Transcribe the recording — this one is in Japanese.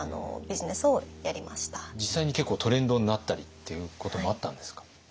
実際に結構トレンドになったりっていうこともあったんですか？